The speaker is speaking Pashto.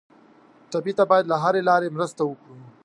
ټپي ته باید له هرې لارې مرسته وکړو.